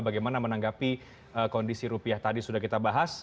bagaimana menanggapi kondisi rupiah tadi sudah kita bahas